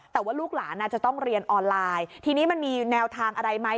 แต่ว่าลูกหลานอาจจะต้องเรียนออนไลน์ทีนี้มันมีแนวทางอะไรไหม